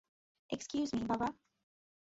Excuse me, বাবা।